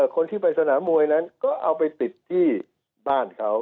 คนที่ไปสนามมวยนั้นก็เอาไปติดที่บ้านเขา